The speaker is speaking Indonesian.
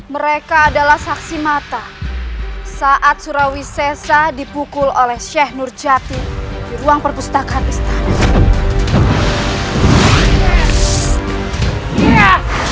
mereka adalah saksi mata saat surawi sesa dipukul oleh sheikh nur jatim di ruang perpustakaan istana